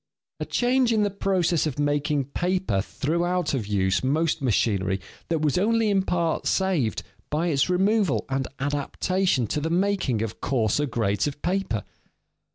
A change in the process of making paper threw out of use much machinery that was only in part saved by its removal and adaptation to the making of coarser grades of paper.